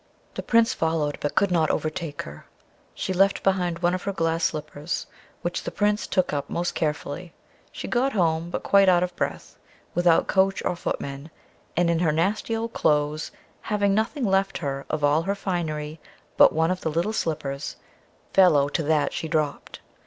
The Prince followed, but could not overtake her. She left behind one of her glass slippers, which the Prince took up most carefully. She got home, but quite out of breath, without coach or footmen, and in her nasty old cloaths, having nothing left her of all her finery, but one of the little slippers, fellow to that she dropped.